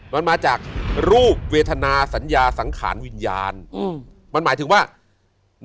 มันมาจากรูปเวทนาสัญญาสังขารวิญญาณ